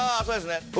そうですね